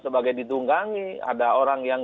sebagai ditunggangi ada orang yang